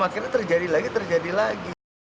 akhirnya terjadi lagi terjadi lagi